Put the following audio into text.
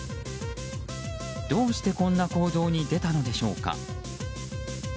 どうしてこんな行動に出たのでしょうか。